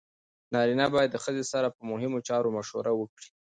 نارینه باید د ښځې سره په مهمو چارو مشوره وکړي.